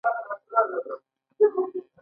پروژه د ټاکلو پایلو لرونکې هم وي.